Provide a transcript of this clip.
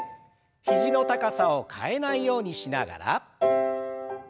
肘の高さを変えないようにしながら。